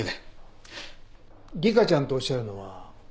理香ちゃんとおっしゃるのは？